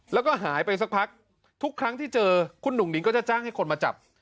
แล้วก็หายไปสักพักทุกครั้งที่เจอคุณหนุ่งหนิงก็จะจ้างให้คนมาจับ